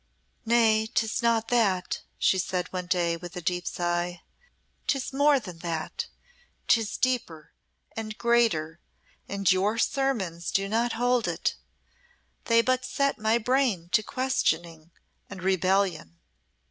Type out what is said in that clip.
"Nay, 'tis not that," she said one day, with a deep sigh. "'Tis more than that; 'tis deeper, and greater, and your sermons do not hold it. They but set my brain to questioning and rebellion."